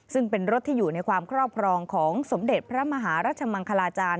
ซึ่งเป็นรถที่อยู่ในความครอบครองของสมเด็จพระมหารัชมังคลาจารย